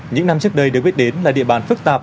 những năm trước đây được biết đến là địa bàn phức tạp